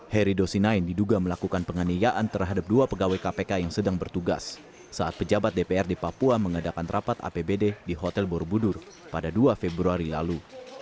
heri dosinain diduga melakukan penganiayaan terhadap dua pegawai kpk yang sedang bertugas saat pejabat dpr di papua mengadakan rapat apbd di hotel borobudur pada dua februari lalu